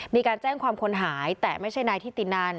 มีการแจ้งความคนหายแต่ไม่ใช่นายทิตินัน